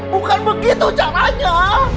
bukan begitu caranya